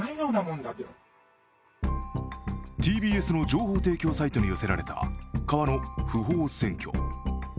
ＴＢＳの情報提供サイトに寄せられた川の不法占拠。